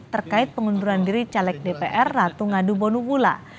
terkait pengunduran diri caleg dpr ratu ngadu bonubula